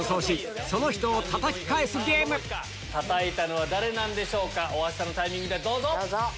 たたいたのは誰なんでしょうか大橋さんのタイミングでどうぞ。